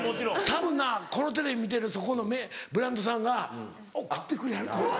たぶんなこのテレビ見てるそこのブランドさんが送ってくれはると思う。